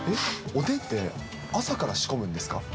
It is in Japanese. おでんって朝から仕込むんですか？